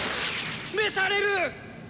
召される！